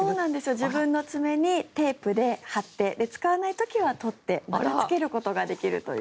自分の爪にテープで貼って使わない時は取ってまたつけることができるという。